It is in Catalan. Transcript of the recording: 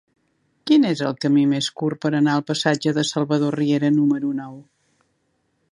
Quin és el camí més curt per anar al passatge de Salvador Riera número nou?